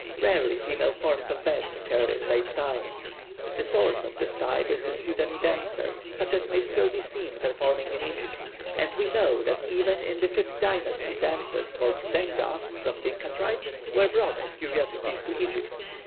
Rarely female forms of Bēs occur in late times. The source of this type is the Sudany dancer, such as may still be seen performing in Egypt, and we know that even in the fifth dynasty dancers called Denga (=Dinka tribe?) were brought as curiosities to Egypt.